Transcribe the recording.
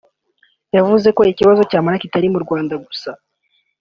yavuze ko ikibazo cya Malariya kitari mu Rwanda gusa